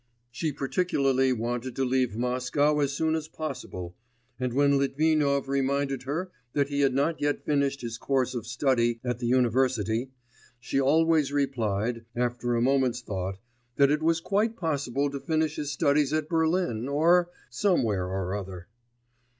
She particularly wanted to leave Moscow as soon as possible, and when Litvinov reminded her that he had not yet finished his course of study at the university, she always replied, after a moment's thought, that it was quite possible to finish his studies at Berlin or ... somewhere or other.